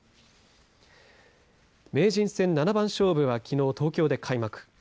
名人戦七番勝負はきのう東京で開幕。